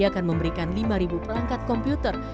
kemudian shopee juga akan memberikan lima perangkat komputer